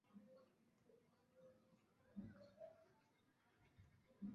bainika kuwa adhabu aliopangiwa ya kunyongwa hivi leo